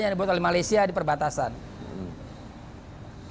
nah respon dari intelijen militer adalah